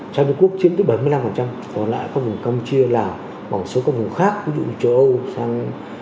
sang trung quốc chiếm tới bảy mươi năm còn lại có vùng công chia lào bỏ số có vùng khác ví dụ như châu âu